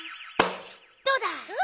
どうだ？